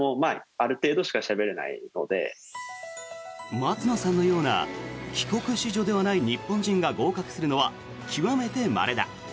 松野さんのような帰国子女ではない日本人が合格するのは極めてまれだ。